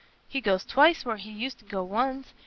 He goes twice where he used t' go once.